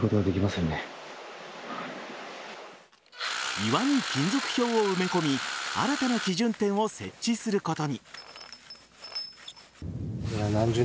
岩に金属標を埋め込み新たな基準点を設置することに。